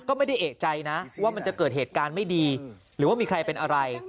ก็ไม่ได้เอกใจนะว่ามันจะเกิดเหตุการณ์ไม่ดีหรือว่ามีใครเป็นอะไร